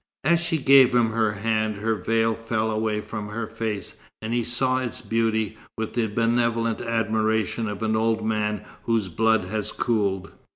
As she gave him her hand, her veil fell away from her face, and he saw its beauty with the benevolent admiration of an old man whose blood has cooled.